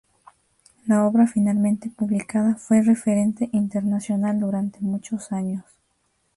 La obra finalmente publicada fue referente internacional durante muchos años.